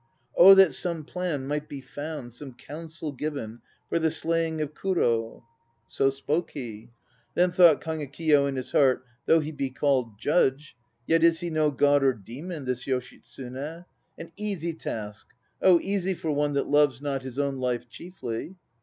Oh that some plan might be found, some counsel given For the slaying of Kurd." : So spoke he. Then thought Kagekiyo in his heart, 'Though he be called 'Judge,' Yet is he no god or demon, this Yoshitsune. An easy task! Oh easy for one that loves not His own life chiefly!